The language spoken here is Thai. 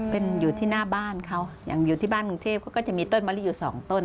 เป็นอยู่ที่หน้าบ้านเขาอย่างอยู่ที่บ้านกรุงเทพเขาก็จะมีต้นมะลิอยู่สองต้น